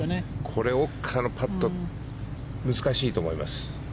これ奥からのパット難しいと思います。